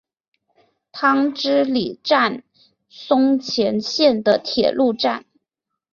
汤之里站松前线的铁路站。